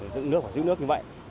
giữ nước và giữ nước như vậy